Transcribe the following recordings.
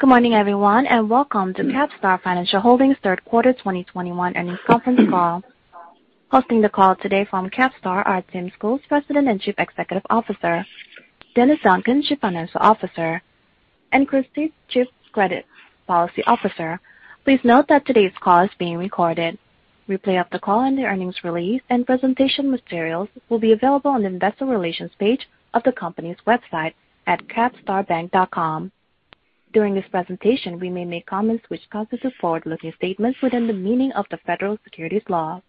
Good morning, everyone, and welcome to CapStar Financial Holdings Q3 2021 Earnings Conference Call. Hosting the call today from CapStar are Tim Schools, President and Chief Executive Officer, Denis Duncan, Chief Financial Officer, and Chris Tietz, Chief Credit Policy Officer. Please note that today's call is being recorded. Replay of the call and the earnings release and presentation materials will be available on the investor relations page of the company's website at capstarbank.com. During this presentation, we may make comments which constitute forward-looking statements within the meaning of the Federal Securities law.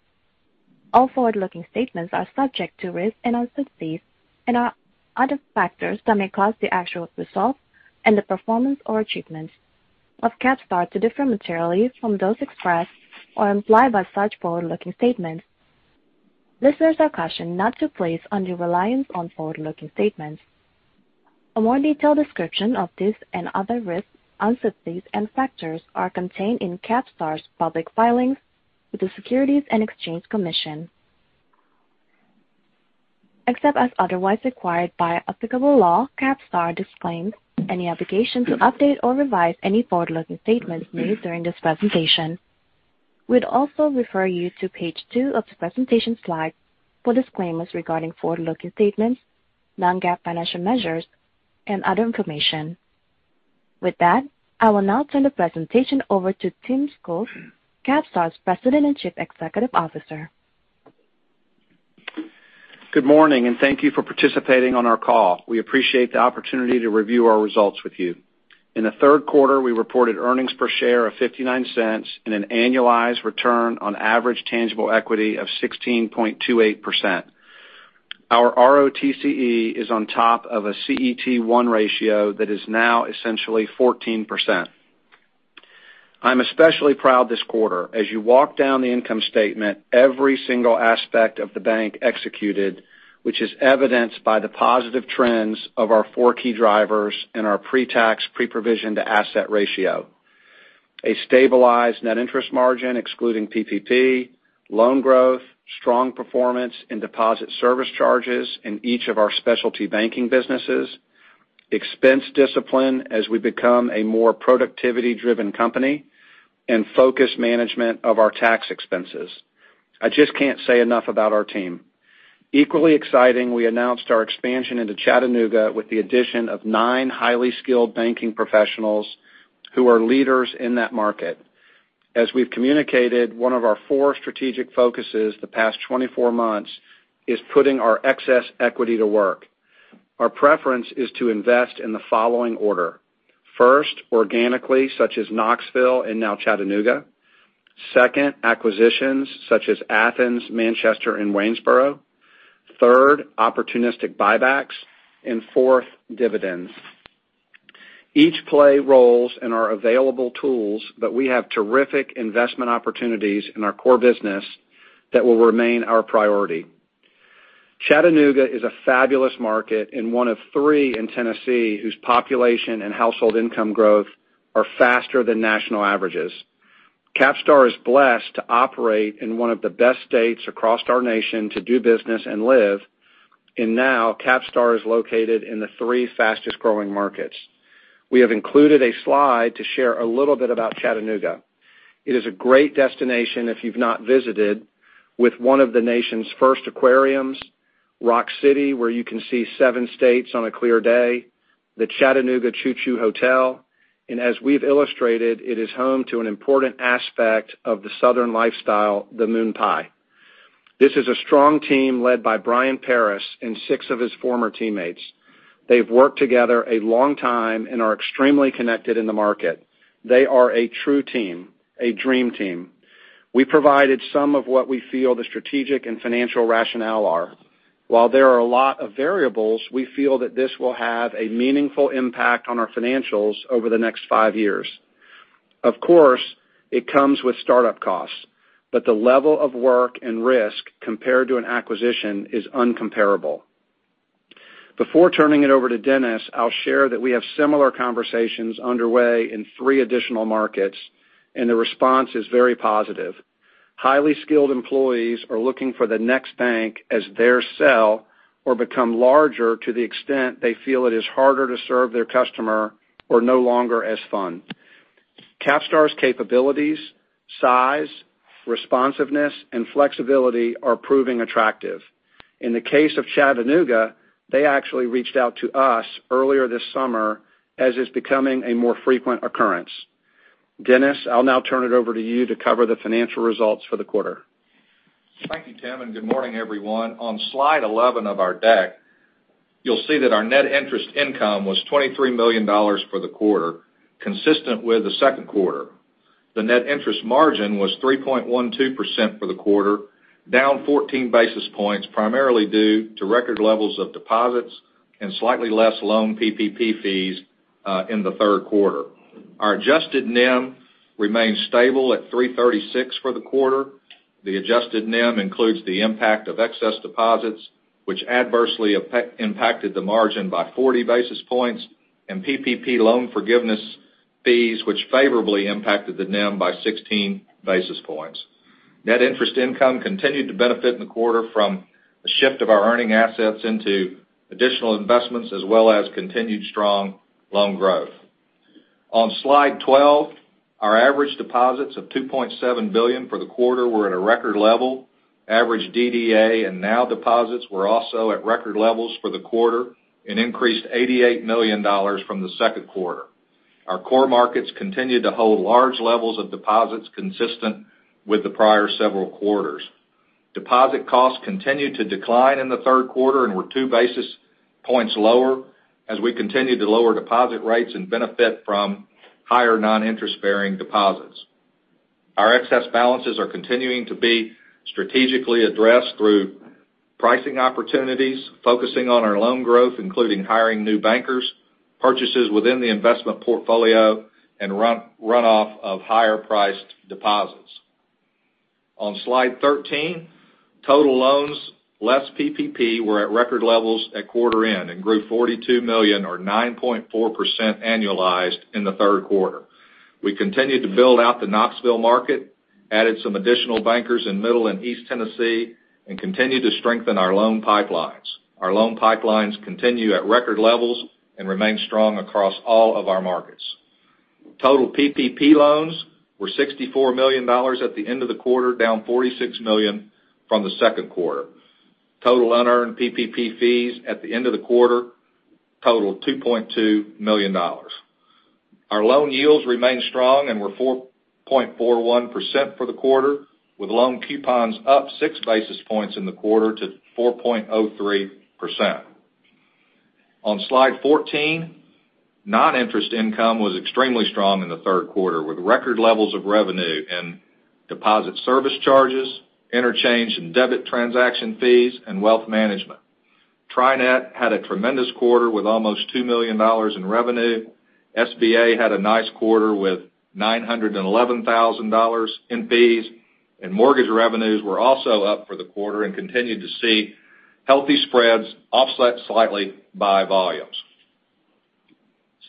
All forward-looking statements are subject to risk and uncertainties and are other factors that may cause the actual results and the performance or achievements of CapStar to differ materially from those expressed or implied by such forward-looking statements. Listeners are cautioned not to place undue reliance on forward-looking statements. A more detailed description of these and other risks, uncertainties, and factors are contained in CapStar's public filings with the Securities and Exchange Commission. Except as otherwise required by applicable law, CapStar disclaims any obligation to update or revise any forward-looking statements made during this presentation. We'd also refer you to page two of the presentation slides for disclaimers regarding forward-looking statements, non-GAAP financial measures, and other information. With that, I will now turn the presentation over to Tim Schools, CapStar's President and Chief Executive Officer. Good morning, and thank you for participating on our call. We appreciate the opportunity to review our results with you. In the third quarter, we reported earnings per share of $0.59 and an annualized return on average tangible equity of 16.28%. Our ROTCE is on top of a CET1 ratio that is now essentially 14%. I'm especially proud this quarter. As you walk down the income statement, every single aspect of the bank executed, which is evidenced by the positive trends of our four key drivers and our pre-tax, pre-provisioned asset ratio. A stabilized net interest margin excluding PPP, loan growth, strong performance in deposit service charges in each of our specialty banking businesses, expense discipline as we become a more productivity-driven company, and focused management of our tax expenses. I just can't say enough about our team. Equally exciting, we announced our expansion into Chattanooga with the addition of nine highly skilled banking professionals who are leaders in that market. As we've communicated, one of our four strategic focuses the past 24 months is putting our excess equity to work. Our preference is to invest in the following order. First, organically, such as Knoxville and now Chattanooga. Second, acquisitions such as Athens, Manchester, and Waynesboro. Third, opportunistic buybacks, and fourth, dividends. Each play roles and are available tools, but we have terrific investment opportunities in our core business that will remain our priority. Chattanooga is a fabulous market and one of three in Tennessee whose population and household income growth are faster than national averages. CapStar is blessed to operate in one of the best states across our nation to do business and live, and now CapStar is located in the 3 fastest-growing markets. We have included a slide to share a little bit about Chattanooga. It is a great destination if you've not visited, with one of the nation's first aquariums, Rock City, where you can see seven states on a clear day, the Chattanooga Choo Choo Hotel, and as we've illustrated, it is home to an important aspect of the Southern lifestyle, the MoonPie. This is a strong team led by Brian Paris and six of his former teammates. They've worked together a long time and are extremely connected in the market. They are a true team, a dream team. We provided some of what we feel the strategic and financial rationale are. While there are a lot of variables, we feel that this will have a meaningful impact on our financials over the next five years. It comes with startup costs, but the level of work and risk compared to an acquisition is incomparable. Before turning it over to Denis, I will share that we have similar conversations underway in three additional markets. The response is very positive. Highly skilled employees are looking for the next bank as they sell or become larger to the extent they feel it is harder to serve their customer or no longer as fun. CapStar's capabilities, size, responsiveness, and flexibility are proving attractive. In the case of Chattanooga, they actually reached out to us earlier this summer, as is becoming a more frequent occurrence. Denis, I will now turn it over to you to cover the financial results for the quarter. Thank you, Tim, good morning, everyone. On slide 11 of our deck, you'll see that our net interest income was $23 million for the quarter, consistent with the second quarter. The net interest margin was 3.12% for the quarter, down 14 basis points, primarily due to record levels of deposits and slightly less loan PPP fees in the third quarter. Our adjusted NIM remained stable at 3.36% for the quarter. The adjusted NIM includes the impact of excess deposits, which adversely impacted the margin by 40 basis points and PPP loan forgiveness fees, which favorably impacted the NIM by 16 basis points. Net interest income continued to benefit in the quarter from the shift of our earning assets into additional investments, as well as continued strong loan growth. On slide 12, our average deposits of $2.7 billion for the quarter were at a record level. Average DDA and NOW deposits were also at record levels for the quarter and increased $88 million from the second quarter. Our core markets continued to hold large levels of deposits consistent with the prior several quarters. Deposit costs continued to decline in the third quarter and were 2 basis points lower as we continued to lower deposit rates and benefit from higher non-interest bearing deposits. Our excess balances are continuing to be strategically addressed through pricing opportunities, focusing on our loan growth, including hiring new bankers, purchases within the investment portfolio, and runoff of higher priced deposits. On slide 13, total loans, less PPP, were at record levels at quarter end and grew $42 million or 9.4% annualized in the third quarter. We continued to build out the Knoxville market, added some additional bankers in Middle and East Tennessee, and continued to strengthen our loan pipelines. Our loan pipelines continue at record levels and remain strong across all of our markets. Total PPP loans were $64 million at the end of the quarter, down $46 million from the second quarter. Total unearned PPP fees at the end of the quarter totaled $2.2 million. Our loan yields remain strong and were 4.41% for the quarter, with loan coupons up 6 basis points in the quarter to 4.03%. On slide 14, non-interest income was extremely strong in the third quarter, with record levels of revenue in deposit service charges, interchange and debit transaction fees, and wealth management. TriNet had a tremendous quarter with almost $2 million in revenue. SBA had a nice quarter with $911,000 in fees. Mortgage revenues were also up for the quarter and continued to see healthy spreads offset slightly by volumes.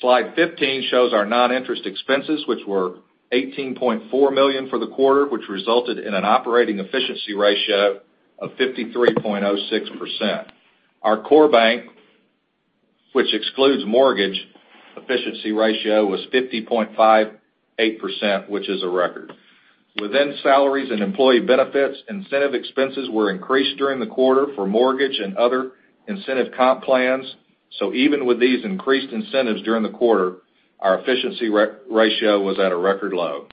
Slide 15 shows our non-interest expenses, which were $18.4 million for the quarter, which resulted in an operating efficiency ratio of 53.06%. Our core bank, which excludes mortgage efficiency ratio, was 50.58%, which is a record. Within salaries and employee benefits, incentive expenses were increased during the quarter for mortgage and other incentive comp plans. Even with these increased incentives during the quarter, our efficiency ratio was at a record low.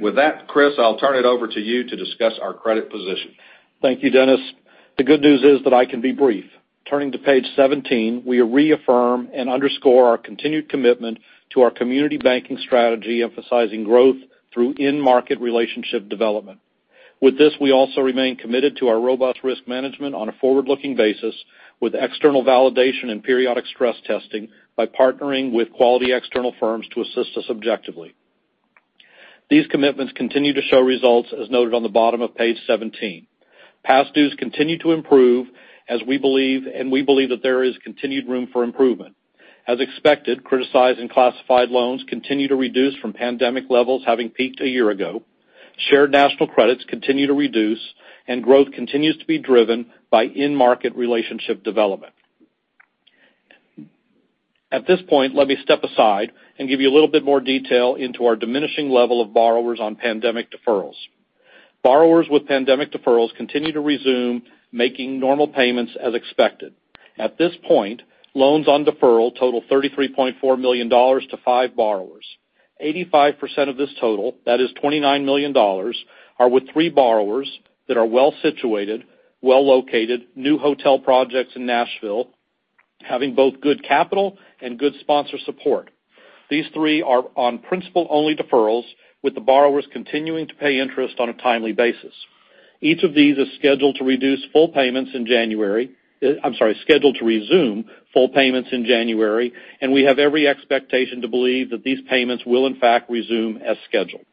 With that, Chris, I'll turn it over to you to discuss our credit position. Thank you, Denis. The good news is that I can be brief. Turning to page 17, we reaffirm and underscore our continued commitment to our community banking strategy, emphasizing growth through in-market relationship development. With this, we also remain committed to our robust risk management on a forward-looking basis with external validation and periodic stress testing by partnering with quality external firms to assist us objectively. These commitments continue to show results, as noted on the bottom of page 17. Past dues continue to improve. We believe that there is continued room for improvement. As expected, criticized and classified loans continue to reduce from pandemic levels, having peaked a year ago. Shared national credits continue to reduce. Growth continues to be driven by in-market relationship development. At this point, let me step aside and give you a little bit more detail into our diminishing level of borrowers on pandemic deferrals. Borrowers with pandemic deferrals continue to resume making normal payments as expected. At this point, loans on deferral total $33.4 million to five borrowers. 85% of this total, that is $29 million, are with three borrowers that are well-situated, well-located, new hotel projects in Nashville, having both good capital and good sponsor support. These three are on principal-only deferrals, with the borrowers continuing to pay interest on a timely basis. Each of these is scheduled to resume full payments in January, and we have every expectation to believe that these payments will in fact resume as scheduled.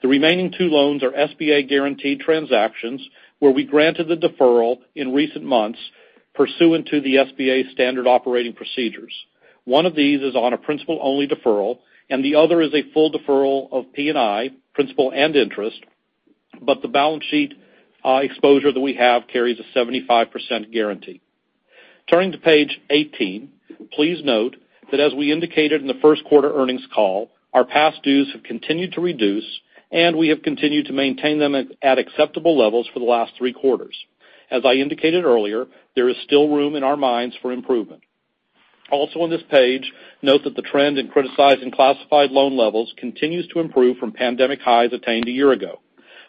The remaining two loans are SBA-guaranteed transactions where we granted the deferral in recent months pursuant to the SBA standard operating procedures. One of these is on a principal-only deferral, and the other is a full deferral of P&I, principal and interest, but the balance sheet exposure that we have carries a 75% guarantee. Turning to page 18, please note that as we indicated in the first quarter earnings call, our past dues have continued to reduce, and we have continued to maintain them at acceptable levels for the last three quarters. As I indicated earlier, there is still room in our minds for improvement. On this page, note that the trend in criticized and classified loan levels continues to improve from pandemic highs attained a year ago.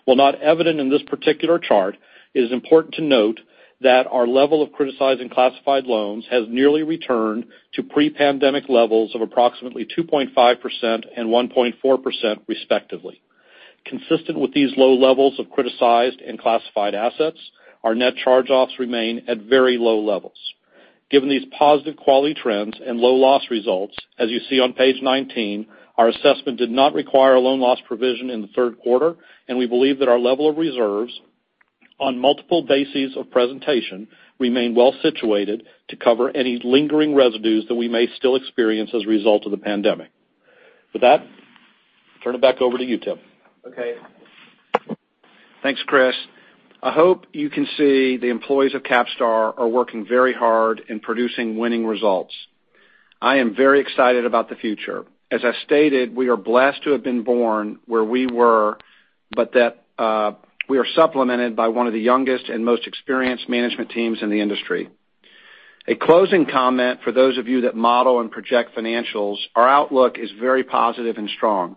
While not evident in this particular chart, it is important to note that our level of criticized and classified loans has nearly returned to pre-pandemic levels of approximately 2.5% and 1.4%, respectively. Consistent with these low levels of criticized and classified assets, our net charge-offs remain at very low levels. Given these positive quality trends and low loss results, as you see on page 19, our assessment did not require a loan loss provision in the third quarter, and we believe that our level of reserves on multiple bases of presentation remain well-situated to cover any lingering residues that we may still experience as a result of the pandemic. With that, I'll turn it back over to you, Tim. Okay. Thanks, Chris. I hope you can see the employees of CapStar are working very hard in producing winning results. I am very excited about the future. As I stated, we are blessed to have been born where we were, but that we are supplemented by one of the youngest and most experienced management teams in the industry. A closing comment for those of you that model and project financials, our outlook is very positive and strong.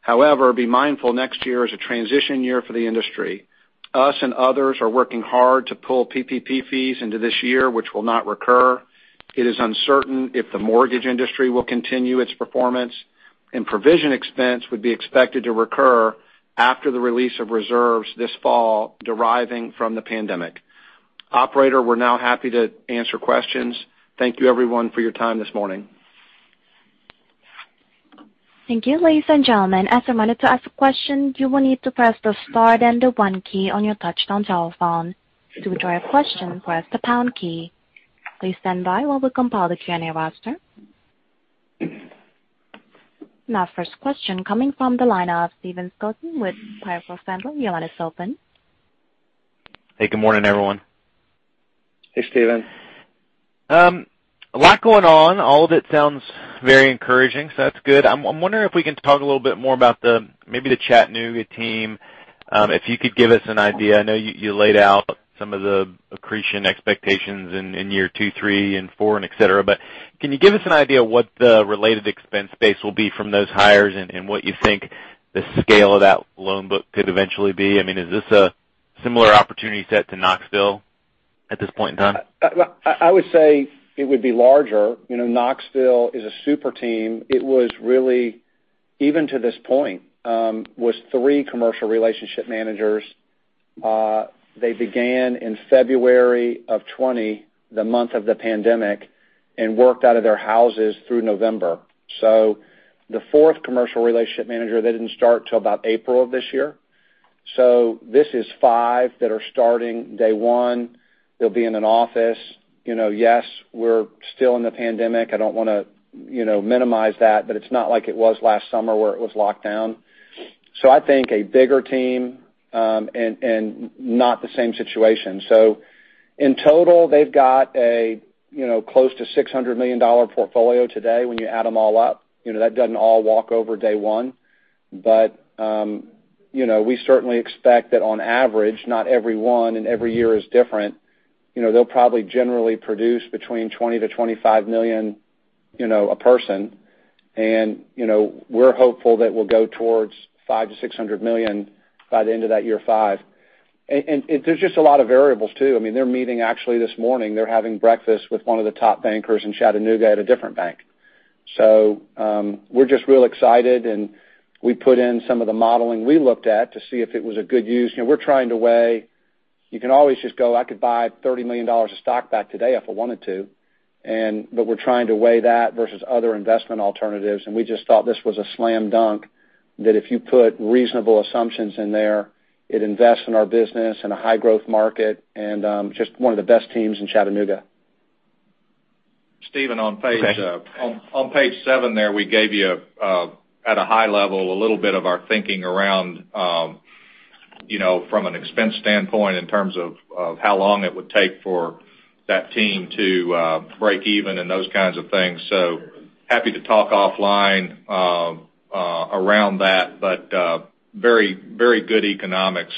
However, be mindful next year is a transition year for the industry. Us and others are working hard to pull PPP fees into this year, which will not recur. It is uncertain if the mortgage industry will continue its performance, and provision expense would be expected to recur after the release of reserves this fall, deriving from the pandemic. Operator, we're now happy to answer questions. Thank you, everyone, for your time this morning. Thank you, ladies and gentlemen. As a reminder, to ask a question, you will need to press the star then the one key on your touch-tone telephone. To withdraw your question, press the pound key. Please stand by while we compile the Q&A roster. Now, first question coming from the line of Stephen Scouten with Piper Sandler. Your line is open. Hey, good morning, everyone. Hey, Stephen. A lot going on. All of it sounds very encouraging, that's good. I'm wondering if we can talk a little bit more about maybe the Chattanooga team, if you could give us an idea. I know you laid out some of the accretion expectations in year two, three, and four, and et cetera, can you give us an idea what the related expense base will be from those hires and what you think the scale of that loan book could eventually be? Is this a similar opportunity set to Knoxville at this point in time? I would say it would be larger. Knoxville is a super team. It was really, even to this point, was three commercial relationship managers. They began in February of 2020, the month of the pandemic, and worked out of their houses through November. The 4th commercial relationship manager, they didn't start till about April of this year. This is five that are starting day one. They'll be in an office. Yes, we're still in the pandemic. I don't want to minimize that, but it's not like it was last summer where it was lockdown. I think a bigger team, and not the same situation. In total, they've got a close to $600 million portfolio today when you add them all up. That doesn't all walk over day one. We certainly expect that on average, not every one and every year is different. They'll probably generally produce between $20 million-$25 million a person. We're hopeful that we'll go towards $5 million-$600 million by the end of that year five. There's just a lot of variables, too. They're meeting actually this morning. They're having breakfast with one of the top bankers in Chattanooga at a different bank. We're just real excited and we put in some of the modeling we looked at to see if it was a good use. We're trying to weigh, you can always just go, I could buy $30 million of stock back today if I wanted to. We're trying to weigh that versus other investment alternatives. We just thought this was a slam dunk that if you put reasonable assumptions in there, it invests in our business in a high growth market and just one of the best teams in Chattanooga. Stephen, on page seven there, we gave you, at a high level, a little bit of our thinking around from an expense standpoint in terms of how long it would take for that team to break even and those kinds of things. Happy to talk offline around that, but very good economics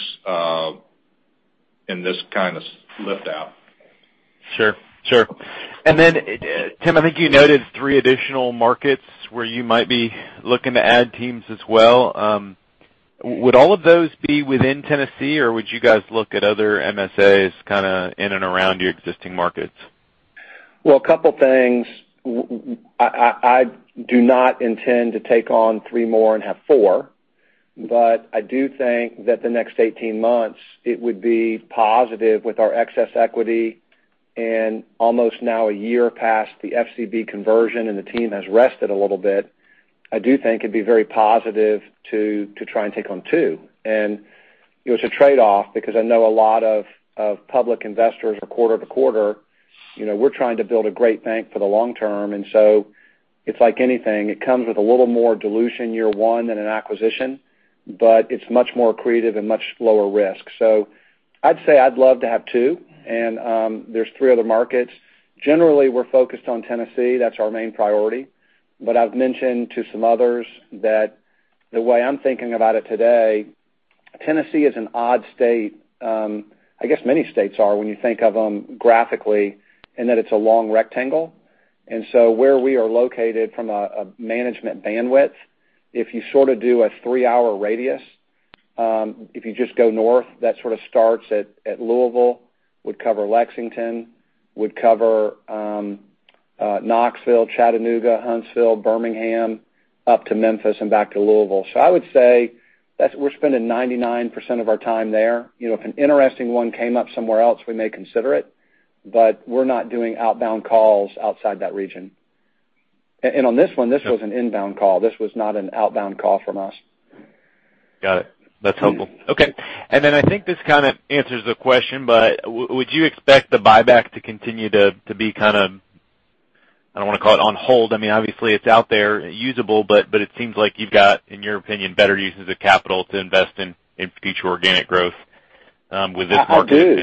in this kind of lift out. Sure. Then, Tim, I think you noted three additional markets where you might be looking to add teams as well. Would all of those be within Tennessee, or would you guys look at other MSAs kind of in and around your existing markets? A couple things. I do not intend to take on three more and have four, but I do think that the next 18 months it would be positive with our excess equity and almost now a year past the FCB conversion and the team has rested a little bit. I do think it'd be very positive to try and take on two. It's a trade-off because I know a lot of public investors are quarter to quarter. We're trying to build a great bank for the long term, it's like anything, it comes with a little more dilution year one than an acquisition, but it's much more accretive and much lower risk. I'd say I'd love to have two. There's three other markets. Generally, we're focused on Tennessee. That's our main priority. I've mentioned to some others that the way I'm thinking about it today, Tennessee is an odd state. I guess many states are when you think of them graphically in that it's a long rectangle. Where we are located from a management bandwidth, if you sort of do a three-hour radius, if you just go north, that sort of starts at Louisville, would cover Lexington, would cover Knoxville, Chattanooga, Huntsville, Birmingham, up to Memphis and back to Louisville. I would say that we're spending 99% of our time there. If an interesting one came up somewhere else, we may consider it, but we're not doing outbound calls outside that region. On this one, this was an inbound call. This was not an outbound call from us. Got it. That's helpful. I think this kind of answers the question, but would you expect the buyback to continue to be kind of, I don't want to call it on hold, obviously it's out there usable, but it seems like you've got, in your opinion, better uses of capital to invest in future organic growth with this market?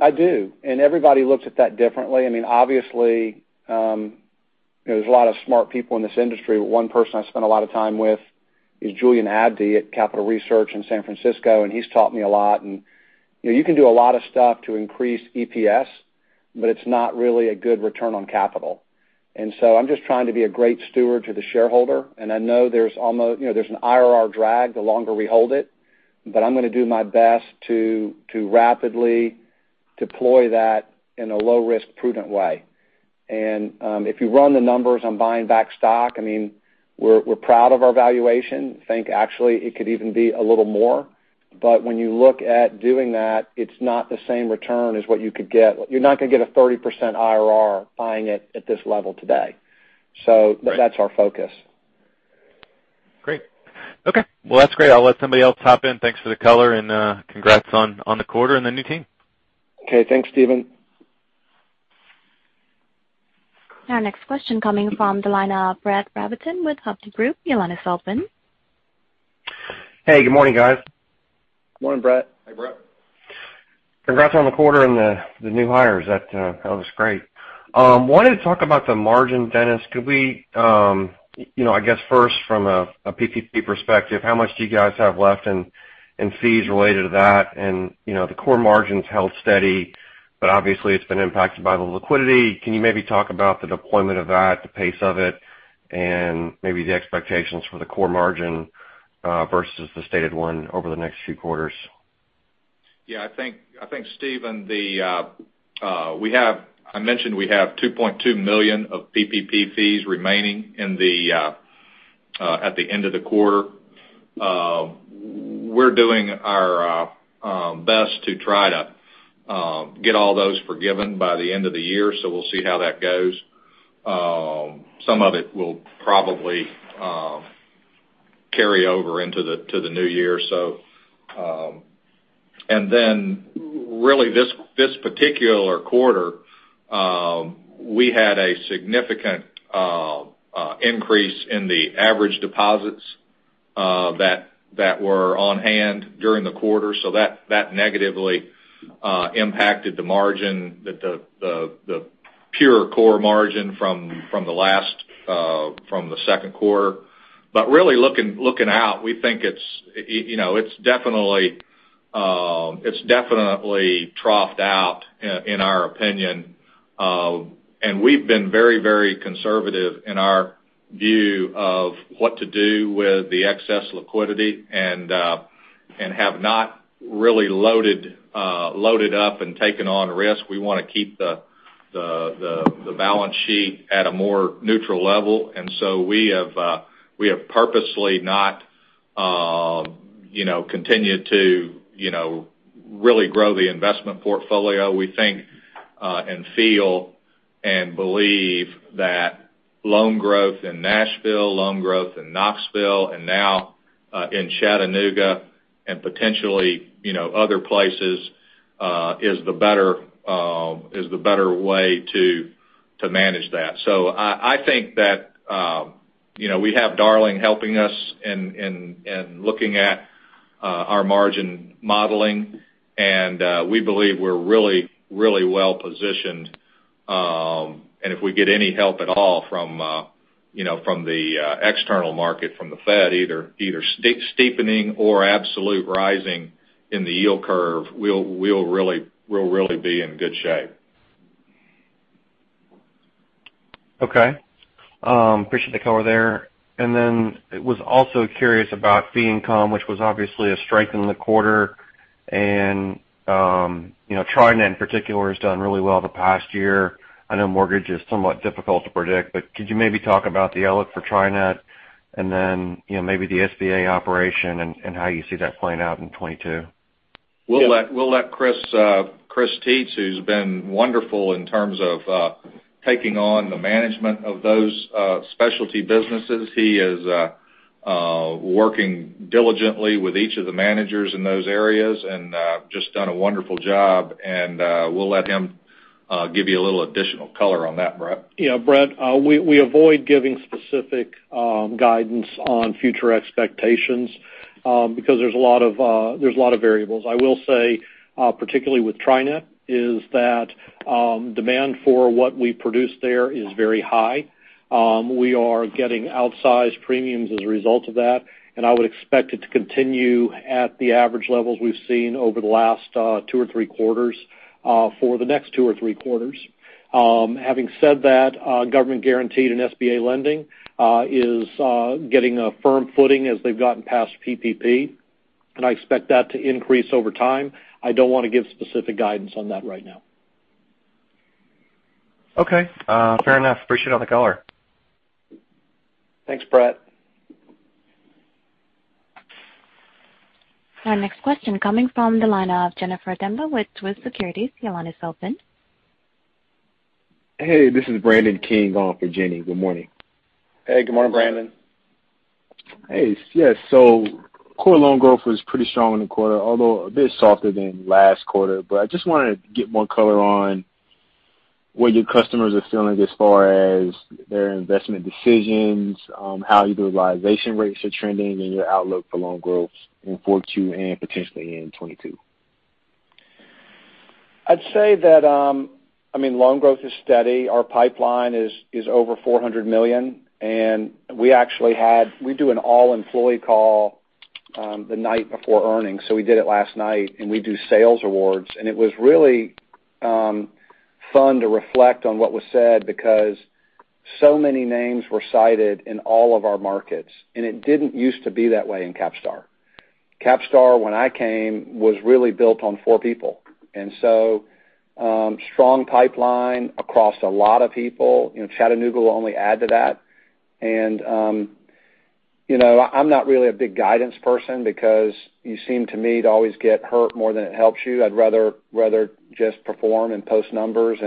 I do. Everybody looks at that differently. Obviously, there's a lot of smart people in this industry, but one person I spend a lot of time with is Julian Abdey at Capital Group in San Francisco, and he's taught me a lot. You can do a lot of stuff to increase EPS, but it's not really a good return on capital. I'm just trying to be a great steward to the shareholder, and I know there's an IRR drag the longer we hold it, but I'm going to do my best to rapidly deploy that in a low-risk, prudent way. If you run the numbers on buying back stock, we're proud of our valuation. I think actually it could even be a little more. When you look at doing that, it's not the same return as what you could get. You're not going to get a 30% IRR buying it at this level today. That's our focus. Great. Okay. Well, that's great. I'll let somebody else hop in. Thanks for the color and congrats on the quarter and the new team. Okay, thanks, Stephen. Our next question coming from the line of Brett Rabatin with Hovde Group. Your line is open. Hey, good morning, guys. Morning, Brett. Hey, Brett. Congrats on the quarter and the new hires. That was great. Wanted to talk about the margin, Denis. I guess first from a PPP perspective, how much do you guys have left in fees related to that? The core margins held steady, but obviously it has been impacted by the liquidity. Can you maybe talk about the deployment of that, the pace of it, and maybe the expectations for the core margin, versus the stated one over the next few quarters? I think, Stephen, I mentioned we have $2.2 million of PPP fees remaining at the end of the quarter. We're doing our best to try to get all those forgiven by the end of the year, we'll see how that goes. Some of it will probably carry over into the new year. Really this particular quarter, we had a significant increase in the average deposits that were on hand during the quarter. That negatively impacted the margin, the pure core margin from the second quarter. Really looking out, we think it's definitely troughed out in our opinion. We've been very conservative in our view of what to do with the excess liquidity and have not really loaded up and taken on risk. We want to keep the balance sheet at a more neutral level. We have purposely not continued to really grow the investment portfolio. We think, and feel, and believe that loan growth in Nashville, loan growth in Knoxville, and now in Chattanooga, and potentially other places, is the better way to manage that. I think that we have Darling helping us and looking at our margin modeling, and we believe we're really well-positioned. If we get any help at all from the external market, from the Fed, either steepening or absolute rising in the yield curve, we'll really be in good shape. Okay. Appreciate the color there. Then was also curious about fee income, which was obviously a strike in the quarter. TriNet in particular, has done really well the past year. I know mortgage is somewhat difficult to predict, but could you maybe talk about the outlook for TriNet and then maybe the SBA operation and how you see that playing out in 2022? We'll let Chris Tietz, who's been wonderful in terms of taking on the management of those specialty businesses. He is working diligently with each of the managers in those areas and just done a wonderful job. We'll let him give you a little additional color on that, Brett. Yeah, Brett, we avoid giving specific guidance on future expectations because there's a lot of variables. I will say, particularly with TriNet, is that demand for what we produce there is very high. We are getting outsized premiums as a result of that, and I would expect it to continue at the average levels we've seen over the last two or three quarters for the next two or three quarters. Having said that, government guaranteed and SBA lending is getting a firm footing as they've gotten past PPP, and I expect that to increase over time. I don't want to give specific guidance on that right now. Okay. Fair enough. Appreciate all the color. Thanks, Brad. Our next question coming from the line of Jennifer Demba with Truist Securities. Your line is open. Hey, this is Brandon King on for Jenny. Good morning. Hey, good morning, Brandon. Hey. Yes, core loan growth was pretty strong in the quarter, although a bit softer than last quarter. I just wanted to get more color on what your customers are feeling as far as their investment decisions, how utilization rates are trending, and your outlook for loan growth in Q4 and potentially in 2022. I'd say that loan growth is steady. Our pipeline is over $400 million, and we do an all-employee call the night before earnings. We did it last night, and we do sales awards. It was really fun to reflect on what was said because so many names were cited in all of our markets, and it didn't used to be that way in CapStar. CapStar, when I came, was really built on four people. Strong pipeline across a lot of people. Chattanooga will only add to that. I'm not really a big guidance person because you seem to me to always get hurt more than it helps you. I'd rather just perform and post numbers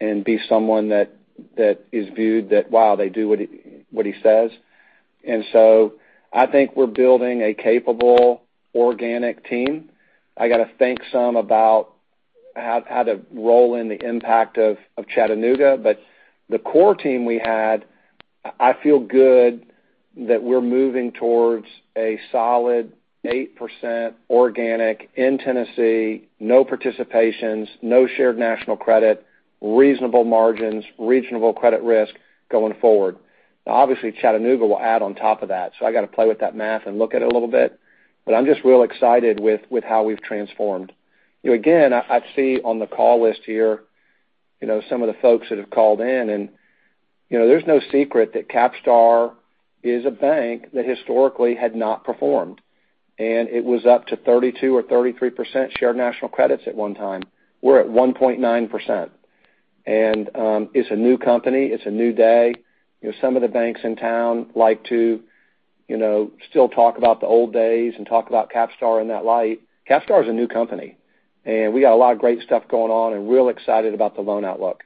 and be someone that is viewed that, "Wow, they do what he says." I think we're building a capable organic team. I got to think some about how to roll in the impact of Chattanooga. The core team we had, I feel good that we're moving towards a solid 8% organic in Tennessee, no participations, no shared national credit, reasonable margins, reasonable credit risk going forward. Obviously, Chattanooga will add on top of that, so I got to play with that math and look at it a little bit. I'm just real excited with how we've transformed. Again, I see on the call list here some of the folks that have called in, there's no secret that CapStar is a bank that historically had not performed, and it was up to 32% or 33% shared national credits at one time. We're at 1.9%. It's a new company. It's a new day. Some of the banks in town like to still talk about the old days and talk about CapStar in that light. CapStar is a new company, we got a lot of great stuff going on and real excited about the loan outlook.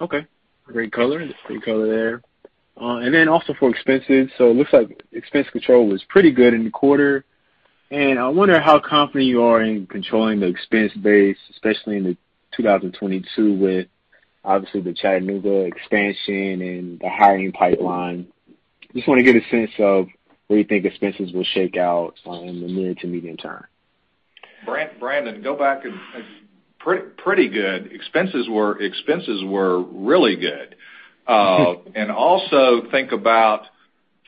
Okay. Great color. That's great color there. Then also for expenses, so it looks like expense control was pretty good in the quarter, and I wonder how confident you are in controlling the expense base, especially into 2022 with, obviously, the Chattanooga expansion and the hiring pipeline. I just want to get a sense of where you think expenses will shake out in the near to medium term. Brandon, go back. Pretty good. Expenses were really good. Also think about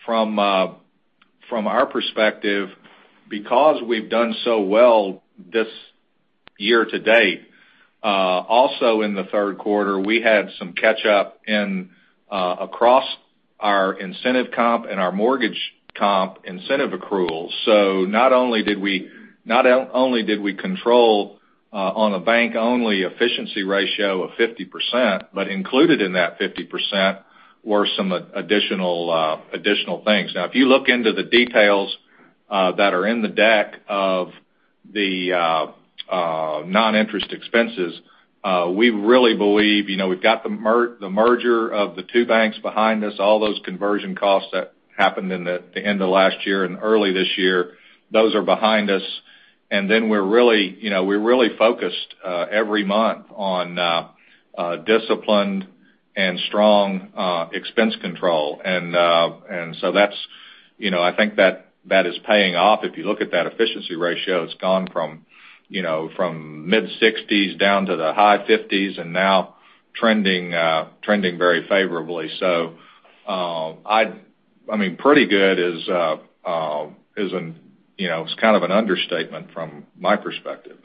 from our perspective, because we've done so well this year to date, also in the third quarter, we had some catch up in across our incentive comp and our mortgage comp incentive accrual. Not only did we control on a bank-only efficiency ratio of 50%, but included in that 50% were some additional things. If you look into the details that are in the deck of the non-interest expenses, we've got the merger of the two banks behind us, all those conversion costs that happened in the end of last year and early this year, those are behind us. We're really focused every month on disciplined and strong expense control. I think that is paying off. If you look at that efficiency ratio, it's gone from mid-60s down to the high 50s and now trending very favorably. Pretty good is kind of an understatement from my perspective.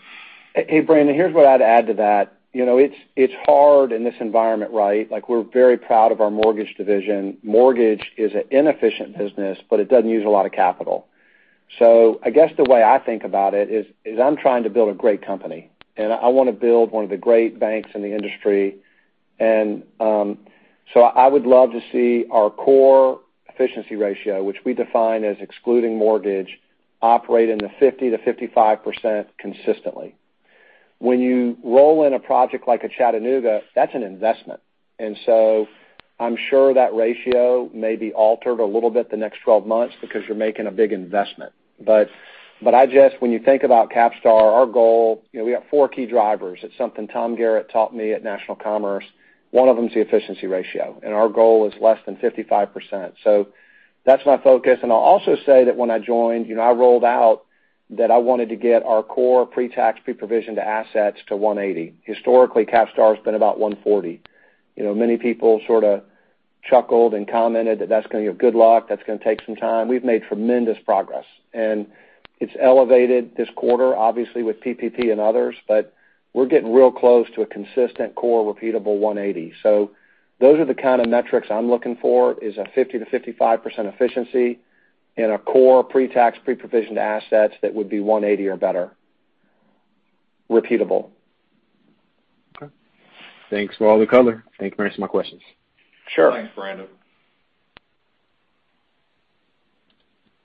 Hey, Brandon, here's what I'd add to that. It's hard in this environment, right? We're very proud of our mortgage division. Mortgage is an inefficient business, but it doesn't use a lot of capital. I guess the way I think about it is, I'm trying to build a great company, and I want to build one of the great banks in the industry. I would love to see our core efficiency ratio, which we define as excluding mortgage, operate in the 50%-55% consistently. When you roll in a project like a Chattanooga, that's an investment. I'm sure that ratio may be altered a little bit the next 12 months because you're making a big investment. When you think about CapStar, our goal, we got four key drivers. It's something Tom Garrott taught me at National Commerce. One of them is the efficiency ratio, and our goal is less than 55%. That's my focus. I'll also say that when I joined, I rolled out that I wanted to get our core pre-tax, pre-provisioned assets to 180. Historically, CapStar has been about 140. Many people sort of chuckled and commented that that's going to be, "Good luck. That's going to take some time." We've made tremendous progress, and it's elevated this quarter, obviously, with PPP and others, but we're getting real close to a consistent core repeatable 180. Those are the kind of metrics I'm looking for, is a 50%-55% efficiency and a core pre-tax, pre-provisioned assets that would be 180 or better, repeatable. Okay. Thanks for all the color. Thank you for answering my questions. Sure. Thanks, Brandon.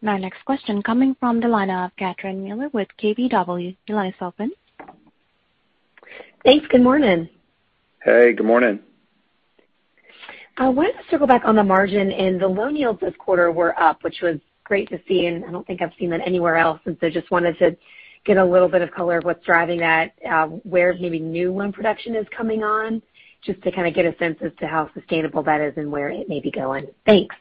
Our next question coming from the line of Catherine Mealor with KBW. Your line is open. Thanks. Good morning. Hey, good morning. I wanted to circle back on the margin and the loan yields this quarter were up, which was great to see. I don't think I've seen that anywhere else. Just wanted to get a little bit of color of what's driving that, where maybe new loan production is coming on, just to kind of get a sense as to how sustainable that is and where it may be going? Thanks.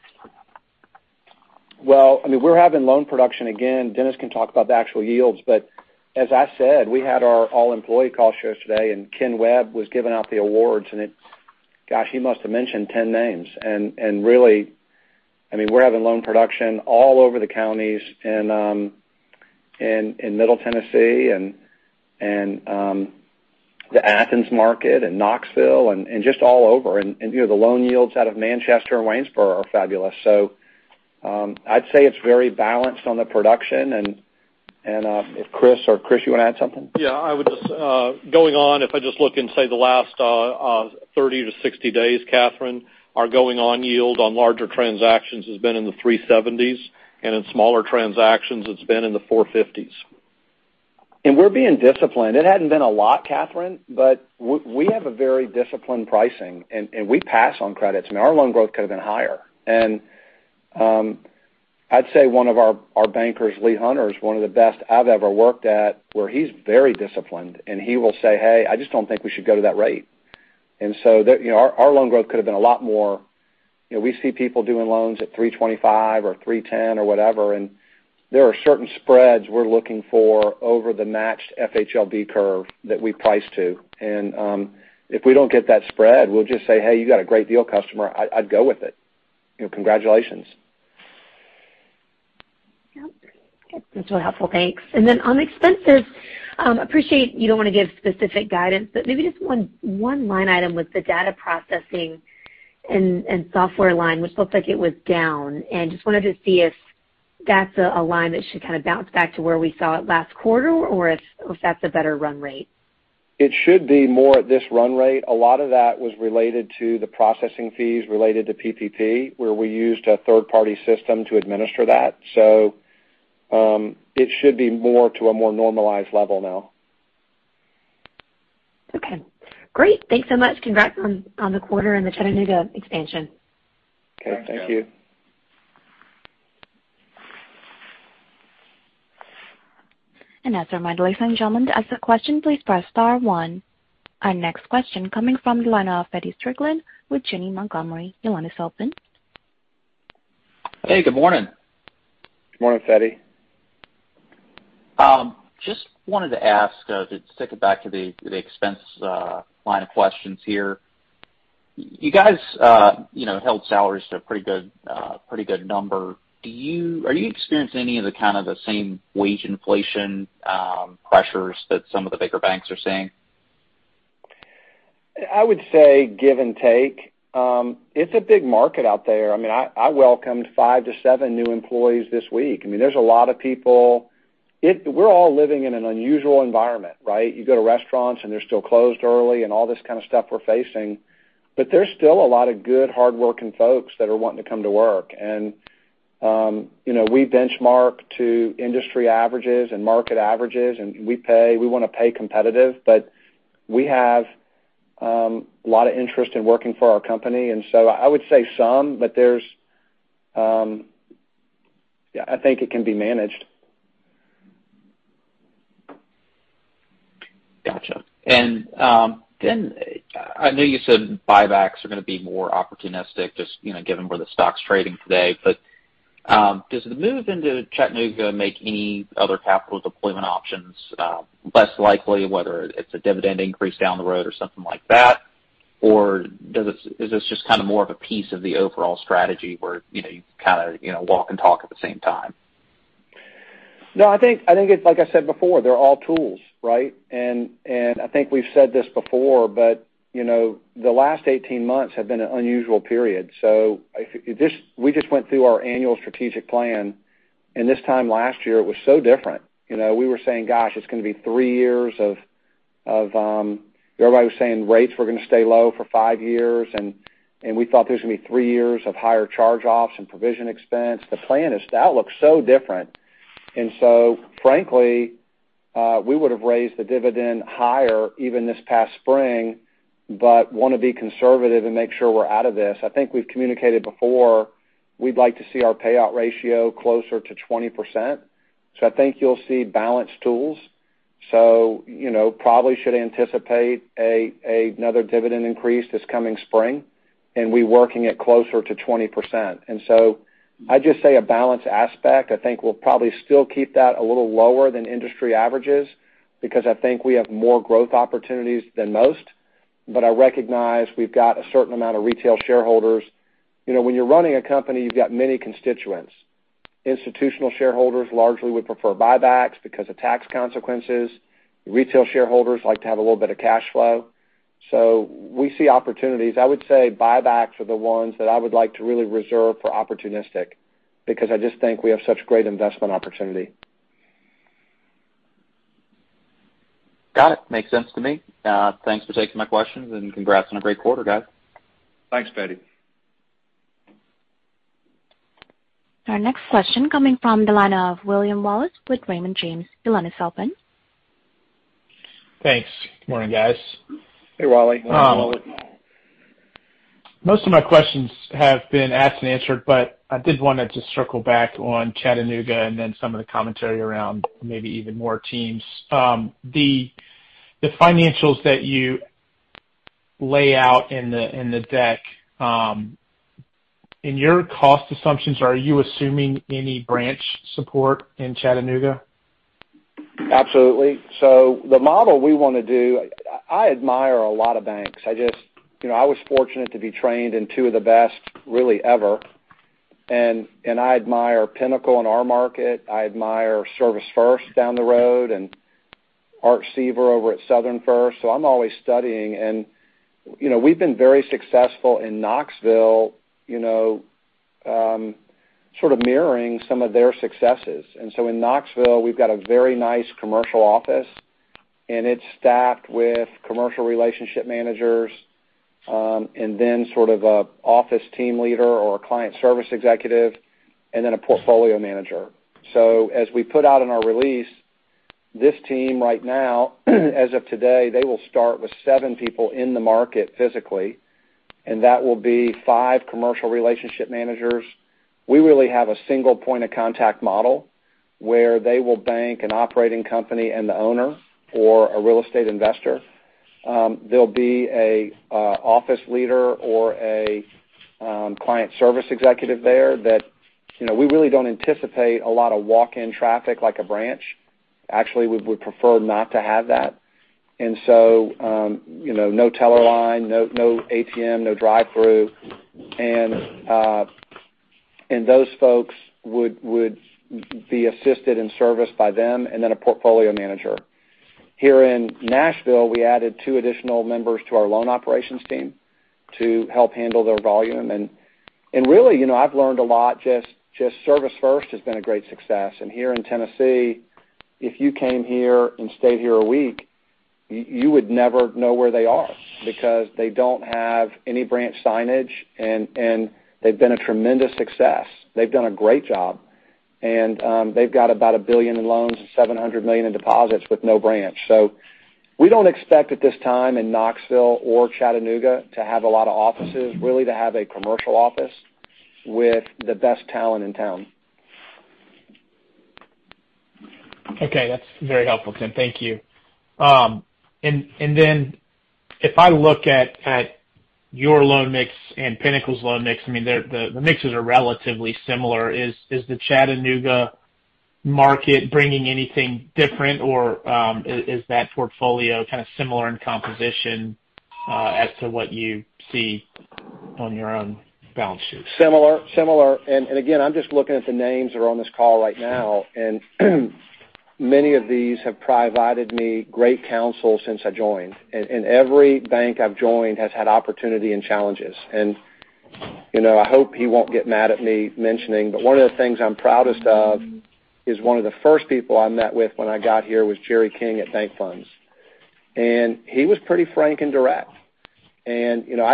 We're having loan production again. Denis can talk about the actual yields, but as I said, we had our all-employee call yesterday, and Ken Webb was giving out the awards, and gosh, he must have mentioned 10 names. Really, we're having loan production all over the counties in middle Tennessee and the Athens market and Knoxville and just all over. The loan yields out of Manchester and Waynesboro are fabulous. I'd say it's very balanced on the production. Chris, you want to add something? Yeah, going on, if I just look in, say, the last 30 to 60 days, Catherine, our going on yield on larger transactions has been in the 3.70s, and in smaller transactions, it's been in the 4.50s. We're being disciplined. It hadn't been a lot, Catherine. We have a very disciplined pricing, and we pass on credits. Our loan growth could have been higher. I'd say one of our bankers, Lee Hunter, is one of the best I've ever worked at, where he's very disciplined, and he will say, "Hey, I just don't think we should go to that rate." Our loan growth could have been a lot more. We see people doing loans at 3.25 or 3.10 or whatever. There are certain spreads we're looking for over the matched FHLB curve that we price to. If we don't get that spread, we'll just say, "Hey, you got a great deal, customer. I'd go with it. Congratulations. Yep. Okay. That's really helpful. Thanks. On expenses, appreciate you don't want to give specific guidance, but maybe just one line item with the data processing and software line, which looked like it was down. Just wanted to see if that's a line that should kind of bounce back to where we saw it last quarter, or if that's a better run rate? It should be more at this run rate. A lot of that was related to the processing fees related to PPP, where we used a third-party system to administer that. It should be more to a more normalized level now. Okay, great. Thanks so much. Congrats on the quarter and the Chattanooga expansion. Okay. Thank you. As a reminder, ladies and gentlemen, to ask a question, please press star one. Our next question coming from the line of Feddie Strickland with Janney Montgomery. Your line is open. Hey, good morning. Good morning, Feddie. Just wanted to ask, to circle back to the expense line of questions here. You guys held salaries to a pretty good number. Are you experiencing any of the kind of the same wage inflation pressures that some of the bigger banks are seeing? I would say give and take. It's a big market out there. I welcomed five to seven new employees this week. There's a lot of people. We're all living in an unusual environment, right? You go to restaurants, they're still closed early and all this kind of stuff we're facing. There's still a lot of good, hardworking folks that are wanting to come to work. We benchmark to industry averages and market averages, and we want to pay competitive, but we have a lot of interest in working for our company. I would say some, but I think it can be managed. Gotcha. I know you said buybacks are going to be more opportunistic, just given where the stock's trading today. Does the move into Chattanooga make any other capital deployment options less likely, whether it's a dividend increase down the road or something like that? Is this just kind of more of a piece of the overall strategy where you kind of walk and talk at the same time? I think, like I said before, they're all tools, right? I think we've said this before, but the last 18 months have been an unusual period. We just went through our annual strategic plan. This time last year, it was so different. We were saying, gosh, everybody was saying rates were going to stay low for five years, and we thought there's going to be three years of higher charge-offs and provision expense. The plan is that looks so different. Frankly, we would have raised the dividend higher even this past spring, but want to be conservative and make sure we're out of this. I think we've communicated before we'd like to see our payout ratio closer to 20%. I think you'll see balanced tools. Probably should anticipate another dividend increase this coming spring, and we're working it closer to 20%. I'd just say a balanced aspect. I think we'll probably still keep that a little lower than industry averages because I think we have more growth opportunities than most. I recognize we've got a certain amount of retail shareholders. When you're running a company, you've got many constituents. Institutional shareholders largely would prefer buybacks because of tax consequences. Retail shareholders like to have a little bit of cash flow. We see opportunities. I would say buybacks are the ones that I would like to really reserve for opportunistic because I just think we have such great investment opportunity. Got it. Makes sense to me. Thanks for taking my questions, and congrats on a great quarter, guys. Thanks, Feddie. Our next question coming from the line of William Wallace with Raymond James. Your line is open. Thanks. Good morning, guys. Hey, Wally. Morning, Wally. Most of my questions have been asked and answered, but I did want to just circle back on Chattanooga and then some of the commentary around maybe even more teams. The financials that you lay out in the deck, in your cost assumptions, are you assuming any branch support in Chattanooga? Absolutely. The model we want to do, I admire a lot of banks. I was fortunate to be trained in two of the best, really ever. I admire Pinnacle in our market. I admire ServisFirst down the road and Art Seaver over at Southern First. I'm always studying. We've been very successful in Knoxville, sort of mirroring some of their successes. In Knoxville, we've got a very nice commercial office, and it's staffed with commercial relationship managers, and then sort of an office team leader or a client service executive, and then a portfolio manager. As we put out in our release, this team right now, as of today, they will start with seven people in the market physically, and that will be five commercial relationship managers. We really have a single point of contact model, where they will bank an operating company and the owner or a real estate investor. There'll be an office leader or a client service executive there. We really don't anticipate a lot of walk-in traffic like a branch. Actually, we would prefer not to have that. No teller line, no ATM, no drive-through. Those folks would be assisted in service by them, and then a portfolio manager. Here in Nashville, we added two additional members to our loan operations team to help handle their volume. Really, I've learned a lot, just ServisFirst has been a great success. Here in Tennessee, if you came here and stayed here a week, you would never know where they are because they don't have any branch signage, and they've been a tremendous success. They've done a great job. They've got about $1 billion in loans and $700 million in deposits with no branch. We don't expect at this time in Knoxville or Chattanooga to have a lot of offices, really to have a commercial office with the best talent in town. Okay. That's very helpful, Tim. Thank you. If I look at your loan mix and Pinnacle's loan mix, the mixes are relatively similar. Is the Chattanooga market bringing anything different, or is that portfolio kind of similar in composition as to what you see on your own balance sheets? Similar. Again, I'm just looking at the names that are on this call right now, and many of these have provided me great counsel since I joined. Every bank I've joined has had opportunity and challenges. I hope he won't get mad at me mentioning, but one of the things I'm proudest of is one of the first people I met with when I got here was Jerry King at Banc Funds. He was pretty frank and direct. I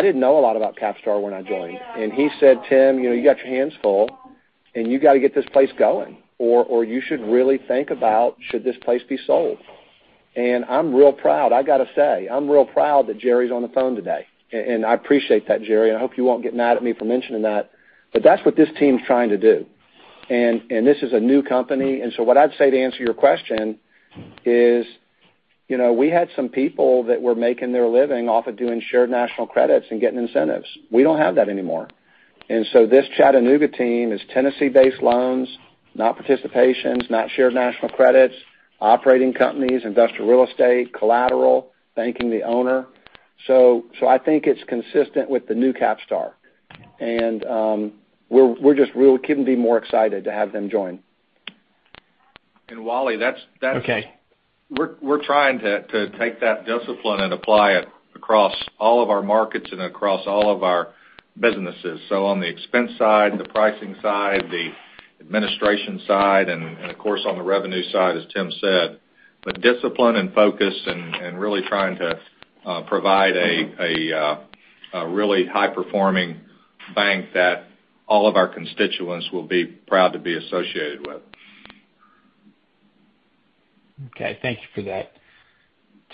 didn't know a lot about CapStar when I joined. He said, "Tim, you got your hands full, and you got to get this place going, or you should really think about should this place be sold." I'm real proud. I got to say, I'm real proud that Jerry's on the phone today. I appreciate that, Jerry. I hope you won't get mad at me for mentioning that, but that's what this team's trying to do. This is a new company. What I'd say to answer your question is, we had some people that were making their living off of doing shared national credits and getting incentives. We don't have that anymore. This Chattanooga team is Tennessee-based loans, not participations, not shared national credits, operating companies, investor real estate, collateral, banking the owner. I think it's consistent with the new CapStar. We just really couldn't be more excited to have them join. Wally. Okay. We're trying to take that discipline and apply it across all of our markets and across all of our businesses. On the expense side, the pricing side, the administration side, and of course, on the revenue side, as Tim said, but discipline and focus and really trying to provide a really high-performing bank that all of our constituents will be proud to be associated with. Okay, thank you for that.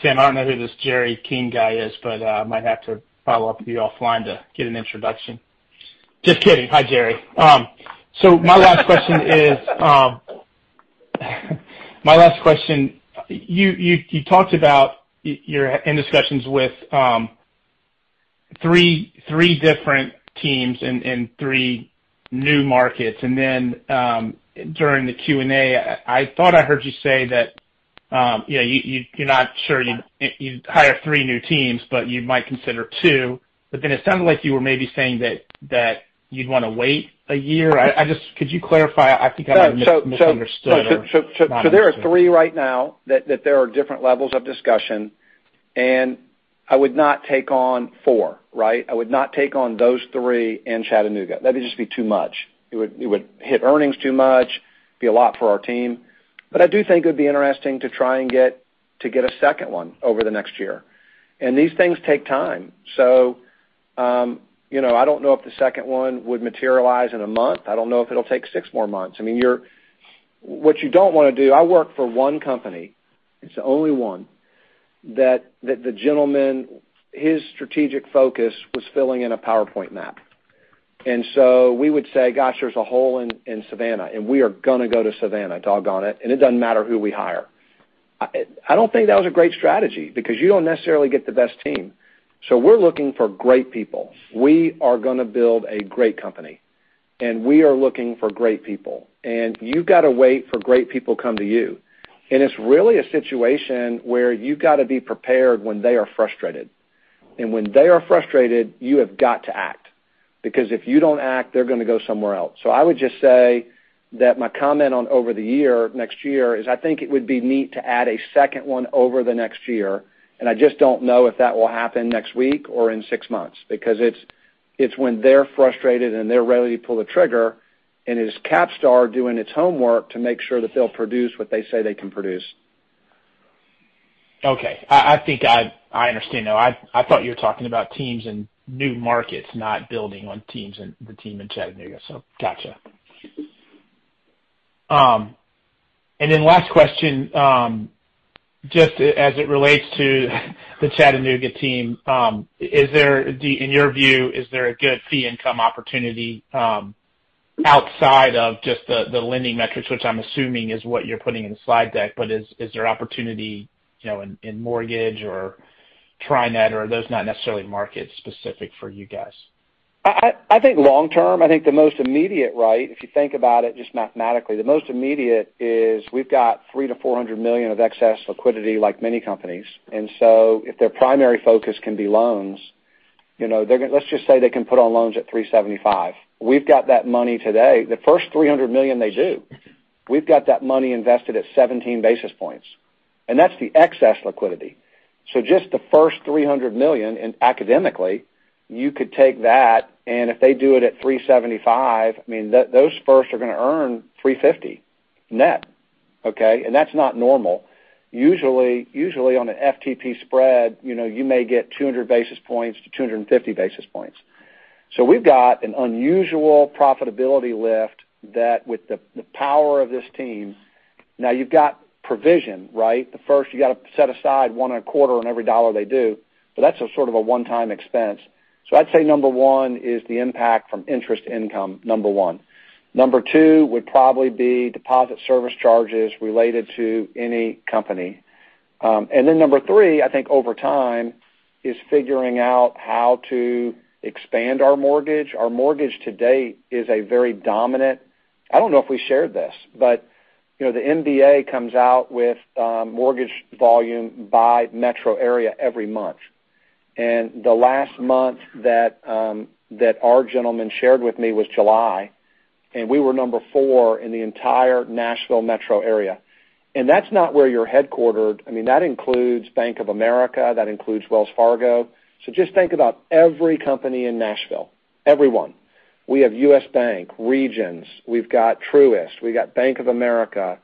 Tim, I don't know who this Jerry King guy is, but I might have to follow up with you offline to get an introduction. Just kidding. Hi, Jerry. My last question is you talked about you're in discussions with three different teams in three new markets. Then, during the Q&A, I thought I heard you say that you're not sure you'd hire three new teams, but you might consider two. Then it sounded like you were maybe saying that you'd want to wait a year. Could you clarify? I think I might have misunderstood. There are three right now that there are different levels of discussion. I would not take on four, right? I would not take on those three in Chattanooga. That'd just be too much. It would hit earnings too much, be a lot for our team. I do think it would be interesting to try and get a second one over the next year. These things take time. I don't know if the second one would materialize in a month. I don't know if it'll take six more months. What you don't want to do. I worked for one company, it's the only one, that the gentleman, his strategic focus was filling in a PowerPoint map. We would say, "Gosh, there's a hole in Savannah, and we are going to go to Savannah, doggone it. It doesn't matter who we hire." I don't think that was a great strategy because you don't necessarily get the best team. We're looking for great people. We are going to build a great company, and we are looking for great people. You've got to wait for great people come to you. It's really a situation where you've got to be prepared when they are frustrated. When they are frustrated, you have got to act, because if you don't act, they're going to go somewhere else. I would just say that my comment on over the year, next year, is I think it would be neat to add a second one over the next year, and I just don't know if that will happen next week or in six months. It's when they're frustrated and they're ready to pull the trigger, and it's CapStar doing its homework to make sure that they'll produce what they say they can produce. Okay. I think I understand now. I thought you were talking about teams in new markets, not building on the team in Chattanooga. Got you. Last question, just as it relates to the Chattanooga team, in your view, is there a good fee income opportunity outside of just the lending metrics, which I'm assuming is what you're putting in the slide deck. Is there opportunity in mortgage or TriNet, or are those not necessarily markets specific for you guys? I think long term, the most immediate right, if you think about it just mathematically, the most immediate is we've got $300 million-$400 million of excess liquidity like many companies. If their primary focus can be loans, let's just say they can put on loans at 375. We've got that money today. The first $300 million they do, we've got that money invested at 17 basis points, and that's the excess liquidity. Just the first $300 million, and academically, you could take that, and if they do it at 375, those first are going to earn 350 net, okay? That's not normal. Usually on an FTP spread, you may get 200 basis points-250 basis points. We've got an unusual profitability lift that with the power of this team. You've got provision, right? The first you got to set aside one and a quarter on every dollar they do, that's a sort of a one-time expense. I'd say number one is the impact from interest income. Number two would probably be deposit service charges related to any company. Number three, I think over time, is figuring out how to expand our mortgage. Our mortgage to date is a very dominant, I don't know if we shared this, the MBA comes out with mortgage volume by metro area every month. The last month that our gentleman shared with me was July, we were number four in the entire Nashville metro area. That's not where you're headquartered. That includes Bank of America, that includes Wells Fargo. Just think about every company in Nashville, everyone. We have U.S. Bank, Regions, we've got Truist, we've got Bank of America,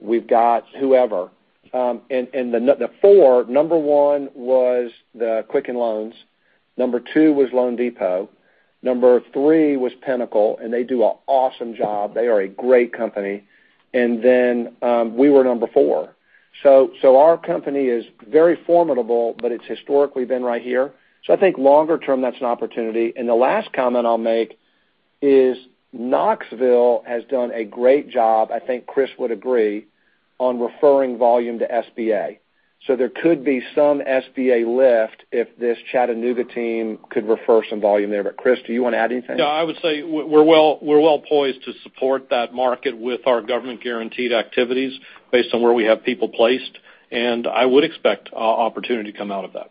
we've got whoever. The four, number one was the Quicken Loans, number two was loanDepot, number 3 was Pinnacle, and they do an awesome job. They are a great company. Then we were number four. Our company is very formidable, but it's historically been right here. I think longer term that is an opportunity. The last comment I'll make is Knoxville has done a great job, I think Chris would agree, on referring volume to SBA. There could be some SBA lift if this Chattanooga team could refer some volume there. Chris, do you want to add anything? No, I would say we're well-poised to support that market with our government guaranteed activities based on where we have people placed, and I would expect opportunity to come out of that.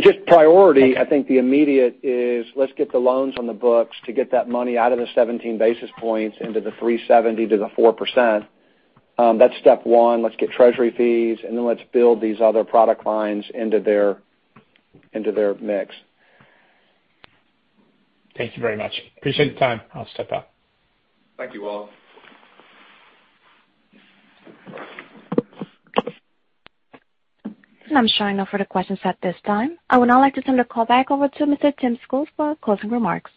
Just priority, I think the immediate is let's get the loans on the books to get that money out of the 17 basis points into the 370 to the 4%. That's step one. Let's get treasury fees, and then let's build these other product lines into their mix. Thank you very much. Appreciate the time. I'll step out. Thank you all. I'm showing no further questions at this time. I would now like to turn the call back over to Mr. Tim Schools for closing remarks.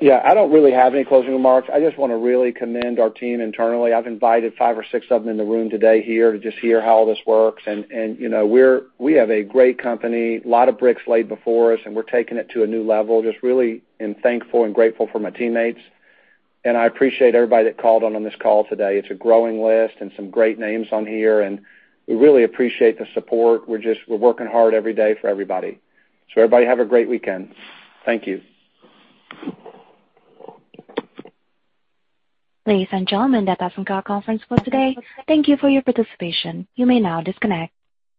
Yeah, I don't really have any closing remarks. I just want to really commend our team internally. I've invited five or six of them in the room today here to just hear how all this works. We have a great company, a lot of bricks laid before us, and we're taking it to a new level. Just really am thankful and grateful for my teammates, and I appreciate everybody that called on this call today. It's a growing list and some great names on here, and we really appreciate the support. We're working hard every day for everybody. Everybody have a great weekend. Thank you. Ladies and gentlemen, that concludes our conference for today. Thank you for your participation. You may now disconnect.